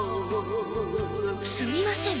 「すみません。